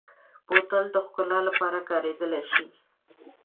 بوتل د ښکلا لپاره کارېدلی شي.